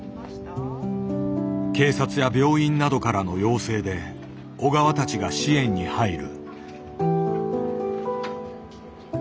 警察や病院などからの要請で小川たちが支援に入る。